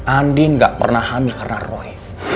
andi gak pernah hamil karena roy